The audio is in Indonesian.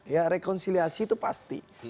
ya rekonsiliasi itu pasti